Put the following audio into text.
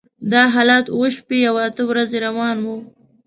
دا حالت اوه شپې او اته ورځې روان و.